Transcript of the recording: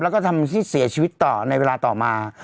แล้วก็ทำให้เสียชีวิตต่อในเวลาต่อมา